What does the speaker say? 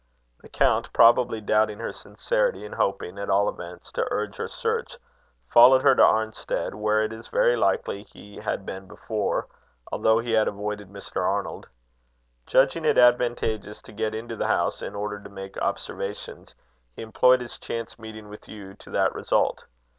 The count, probably doubting her sincerity, and hoping, at all events, to urge her search, followed her to Arnstead, where it is very likely he had been before, although he had avoided Mr. Arnold. Judging it advantageous to get into the house, in order to make observations, he employed his chance meeting with you to that result.